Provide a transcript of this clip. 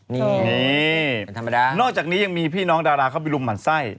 นี่นอกจากนี้ยังมีพี่น้องดาราเข้าไปรุมหั่นไส้